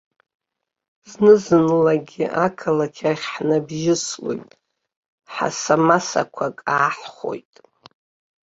Знызынлагьы ақалақь ахь ҳнабжьыслоит, ҳасамасақәак ааҳхәоит.